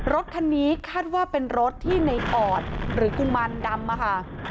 รถคันนี้คาดว่าเป็นรถที่ในออดหรือกุมารดำอะค่ะ